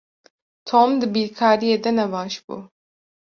Tom di bîrkariyê de ne baş bû.